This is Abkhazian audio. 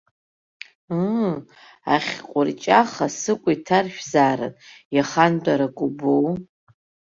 Ыы, ахьҟәырҷаха сыкәа иҭаршәзаарын иахантәарак убоу!